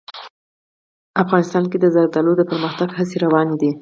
افغانستان کې د زردالو د پرمختګ هڅې روانې دي.